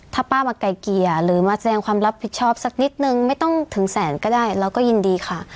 ถ้าป้ามาไกลเกลี่ยหรือมาแสดงความรับผิดชอบสักนิดนึงไม่ต้องถึงแสนก็ได้เราก็ยินดีค่ะ